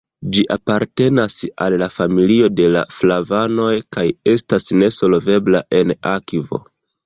Ĝi apartenas al la familio de la flavanoj kaj estas nesolvebla en akvo.